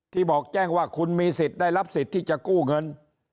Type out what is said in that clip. บอกแจ้งว่าคุณมีสิทธิ์ได้รับสิทธิ์ที่จะกู้เงิน